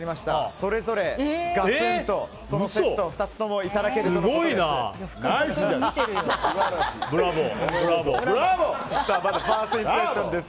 それぞれ、ガツンとそのセットを２つともナイスです。